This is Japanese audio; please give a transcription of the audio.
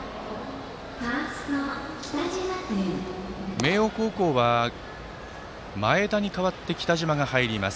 明桜高校は前田に代わって北嶋が入ります。